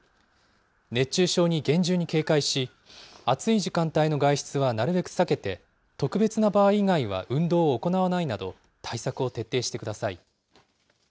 熱中症に厳重に警戒し、暑い時間帯の外出はなるべく避けて、特別な場合以外は運動を行わないなど、対策を徹底してください。